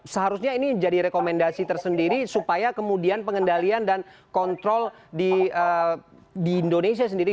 seharusnya ini jadi rekomendasi tersendiri supaya kemudian pengendalian dan kontrol di indonesia sendiri